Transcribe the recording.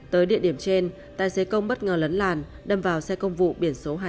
tới địa điểm trên tài xế công bất ngờ lấn làn đâm vào xe công vụ biển số hai mươi tám a hai trăm sáu mươi sáu